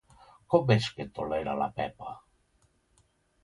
Com és que tolera la Pepa?